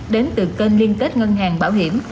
đến từ kênh liên kết ngân hàng bảo hiểm